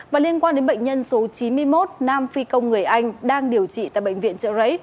và liên quan đến bệnh nhân số chín mươi một nam phi công người anh đang điều trị tại bệnh viện trợ rẫy